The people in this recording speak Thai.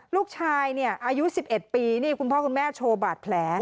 ลูกชายเนี่ยอายุ๑๑ปีนี่คุณพ่อคุณแม่โชว์บาดแผล